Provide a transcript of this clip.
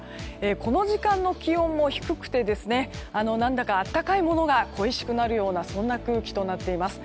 この時間の気温も低くて何だか温かいものが恋しくなるようなそんな空気となっています。